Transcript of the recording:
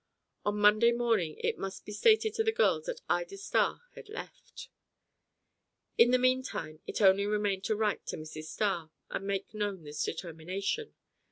On Monday morning it must be stated to the girls that Ida Starr had left. In the meantime, it only remained to write to Mrs. Starr, and make known this determination.